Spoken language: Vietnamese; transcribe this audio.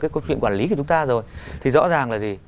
cái câu chuyện quản lý của chúng ta rồi thì rõ ràng là gì